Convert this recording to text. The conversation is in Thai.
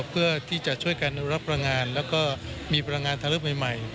เพื่อที่จะช่วยการรับประงานแล้วก็มีพลังงานทางเลือกใหม่